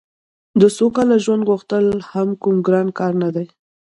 د سوکاله ژوند غوښتل هم کوم ګران کار نه دی